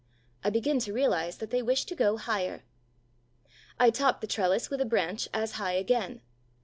I begin to realize that they wish to go higher. I top the trellis with a branch as high again.